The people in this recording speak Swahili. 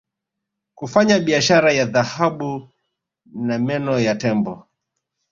kufanya biashara ya dhahabu na meno ya tembo